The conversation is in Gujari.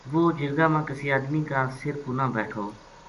وہ جرگا ما کسے آدمی کا سر پو نہ بیٹھو